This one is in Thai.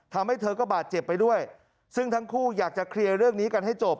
ทำให้เธอก็บาดเจ็บไปด้วยซึ่งทั้งคู่อยากจะเคลียร์เรื่องนี้กันให้จบ